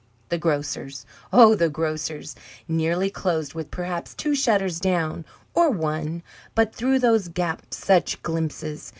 The grocers'! oh, the grocers'! nearly closed, with perhaps two shutters down, or one; but through those gaps such glimpses!